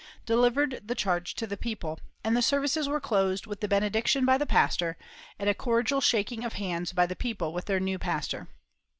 delivered the charge to the people; and the services were closed with the benediction by the pastor, and a cordial shaking of hands by the people with their new pastor."